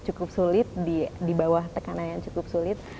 cukup sulit di bawah tekanan yang cukup sulit